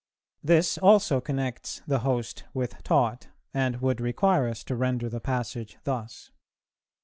This also connects 'the host' with 'taught,' and would require us to render the passage thus